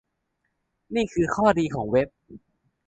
นี่คือข้อดีของเว็บ